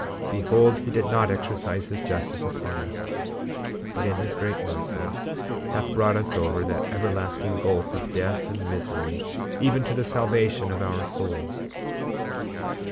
Behold, he did not exercise his justice upon us, but in his great mercy hath brought us over that everlasting gulf of death and misery, even to the salvation of our souls.